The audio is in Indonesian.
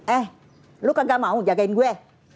eh lu kok gak mau jagain gue